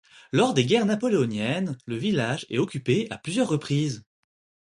Lors des guerres napoléoniennes, le village est occupé à plusieurs reprises.